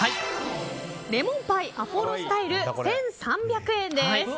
レモンパイアポロスタイル１３００円です。